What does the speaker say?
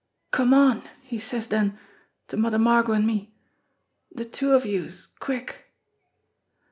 'Come on!' he says den to Mother Margot an' me. 'De two of youse! Quick!'